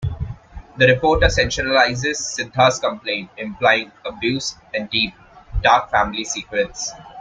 The reporter sensationalizes Sidda's complaint, implying abuse and deep, dark family secrets.